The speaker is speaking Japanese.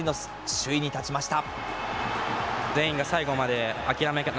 首位に立ちました。